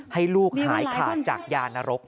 ให้ลูกหายขาดจากยานรก